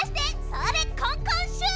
それコンコンシュート！